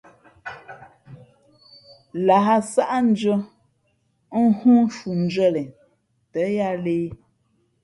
Lah sáʼndʉ̄ᾱ ghoo shundʉ̄ᾱ len tά yāā lēh.